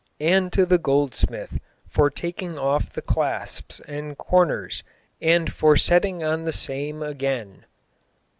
and to the Goldesmythe for taking off the claspes and corners and for setting on the same ageyne xvjd."